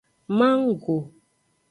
Mango.